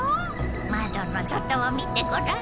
まどの外を見てごらん。